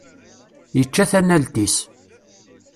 Yečča tanalt-is.